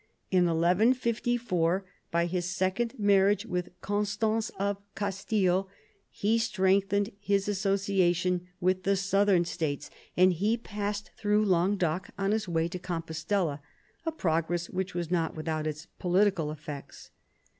In 1154, by his second marriage with Constance of Castile, he strengthened his associa tion with the southern states, and he passed through Languedoc on his way to Compostella — a progress which was not without its political effects.